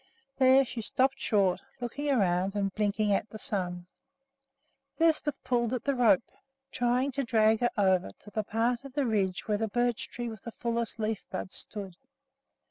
There she stopped short, looking around and blinking at the sun. Lisbeth pulled at the rope, trying to drag her over to the part of the ridge where the birch tree with the fullest leaf buds stood.